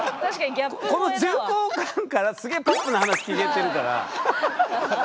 この重厚感からすげえポップな話聞けてるから。